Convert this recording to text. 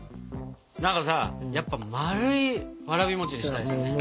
何かさやっぱまるいわらび餅にしたいですね。